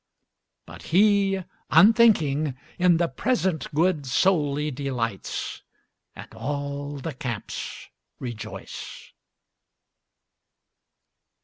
But he, unthinking, in the present good Solely delights, and all the camps rejoice.